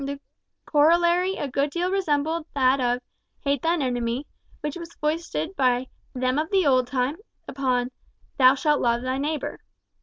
The corollary a good deal resembled that of "hate thine enemy" which was foisted by "them of the old time" upon "thou shalt love thy neighbour."